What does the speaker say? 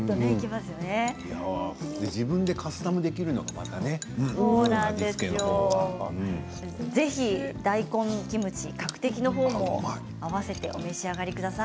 自分でカスタムできるのがぜひ大根キムチカクテキの方も合わせてお召し上がりください。